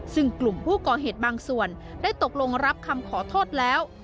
ซึ่งกลุ่มผู้ก่อเหตุบางส่วนได้ตกลงรับคำขอโทษแล้ว